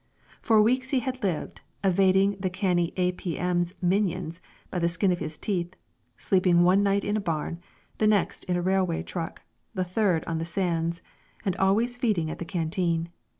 For weeks he had lived, evading the canny A.P.M.'s minions by the skin of his teeth, sleeping one night in a barn, the next in a railway truck, the third on the sands, and always feeding at the canteen.